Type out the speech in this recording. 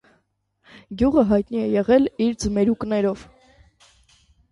Գյուղը հայնտի է եղել իր ձմերուկներով։